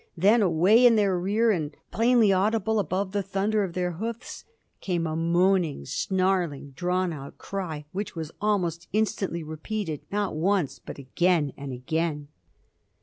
Then, away in their rear, and plainly audible above the thunder of their hoofs, came a moaning, snarling, drawn out cry, which was almost instantly repeated, not once, but again and again.